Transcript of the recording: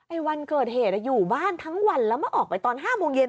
วันเกิดเหตุอยู่บ้านทั้งวันแล้วมาออกไปตอน๕โมงเย็น